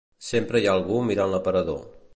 Sempre hi ha algú mirant l'aparador